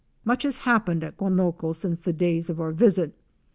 Ey Much has happened at Guanoco since the days of our visit.